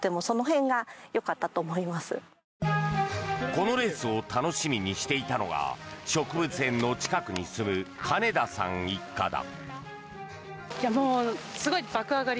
このレースを楽しみにしていたのが植物園の近くに住む金田さん一家だ。